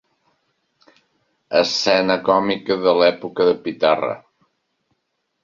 Escena còmica de l'època de Pitarra.